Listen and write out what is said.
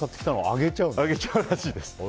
あげちゃうらしいです。